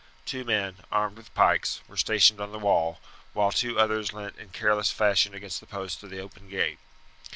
Two men, armed with pikes, were stationed on the wall, while two others leant in careless fashion against the posts of the open gate.